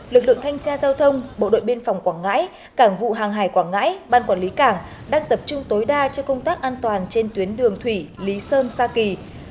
lực lượng thanh tra giao thông bộ đội biên phòng quảng ngãi cảng vụ hàng hải quảng ngãi ban quản lý cảng đang tập trung tối đa cho công tác an toàn trên tuyến đường thủy lý sơn sa kỳ